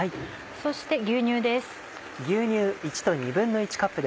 そして牛乳です。